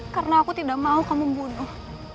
karena aku tidak mau kau membunuh